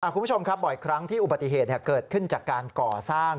คุณผู้ชมครับบ่อยครั้งที่อุบัติเหตุเกิดขึ้นจากการก่อสร้าง